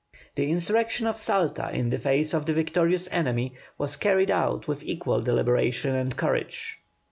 The insurrection of Salta in the face of the victorious enemy, was carried out with equal deliberation and courage.